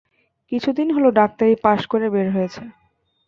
কিছুদিন হল ডাক্তারি পাস করে বের হয়েছে।